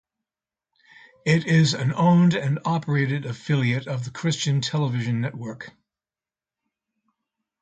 It is an owned-and-operated affiliate of the Christian Television Network.